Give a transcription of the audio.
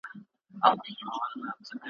لا یې نه وه وزرونه غوړولي ,